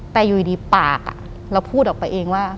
แต่อยู่ดีปากเราพูดออกไปเองว่า